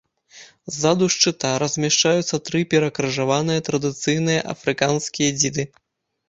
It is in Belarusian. Ззаду шчыта размяшчаюцца тры перакрыжаваныя традыцыйныя афрыканскія дзіды.